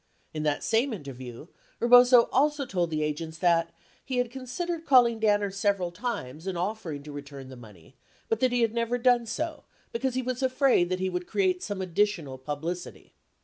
34 In that same interview, Eebozo also told the agents that, "he had con sidered calling Danner several times and offering to return the money, but that he had never done so because he was afraid that he would create some additional publicity."